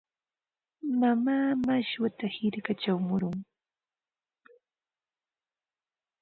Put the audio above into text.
Mamaa mashwata hirkachaw murun.